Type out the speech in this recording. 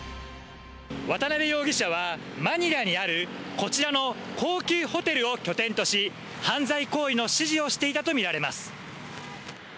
渡辺容疑者はマニラにあるこちらの高級ホテルを拠点とし犯罪行為の指示をしていたとみられます。